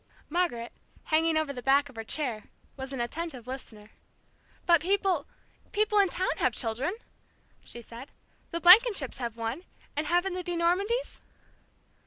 Margaret, hanging over the back of her chair, was an attentive listener. "But people people in town have children!" she said. "The Blankenships have one, and haven't the de Normandys?"